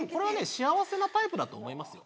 幸せなタイプだと思いますよ